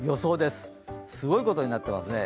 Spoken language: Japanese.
すごいことになっていますね。